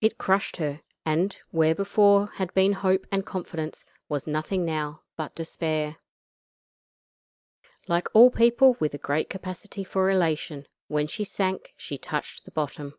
It crushed her, and, where before had been hope and confidence, was nothing now but despair. Like all people with a great capacity for elation, when she sank she touched the bottom.